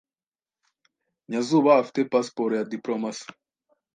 Nyazuba afite pasiporo ya diplomasi.